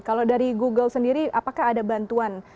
kalau dari google sendiri apakah ada bantuan